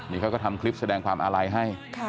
นี่เขาก็ทำคลิปแสดงความอาลัยให้